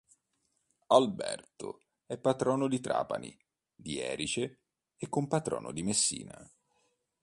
Alberto è patrono di Trapani, di Erice e compatrono di Messina.